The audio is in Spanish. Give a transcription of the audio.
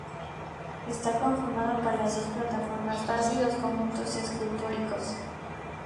Está conformado por las dos plataformas base, y dos conjuntos escultóricos.